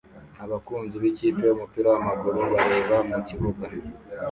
Abakunzi b'ikipe y'umupira w'amaguru bareba mu kibuga